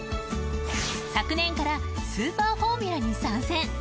昨年からスーパーフォーミュラに参戦。